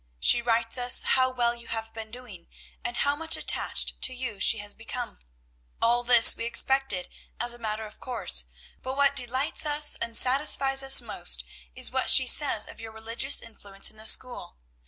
She writes us how well you have been doing, and how much attached to you she has become. All this we expected as a matter of course, but what delights and satisfies us most, is what she says of your religious influence in the school.